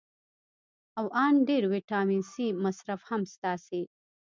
او ان ډېر ویټامین سي مصرف هم ستاسې